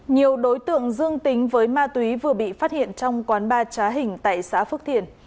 nhiều đối tượng dương tính với ma túy vừa bị phát hiện trong quán ba trá hình tại xã phước thiền